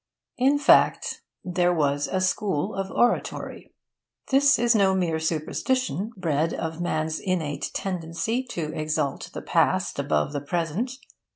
In fact, there was a school of oratory. This is no mere superstition, bred of man's innate tendency to exalt the past above the present.